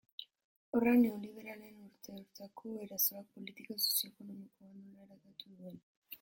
Horra neoliberalen urteotako erasoak politika sozio-ekonomikoa nola eraldatu duen.